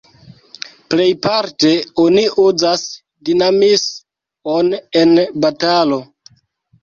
Plejparte, oni uzas "dinamis"-on en batalo.